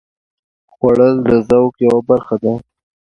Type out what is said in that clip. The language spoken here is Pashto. خوړل د ذوق یوه برخه ده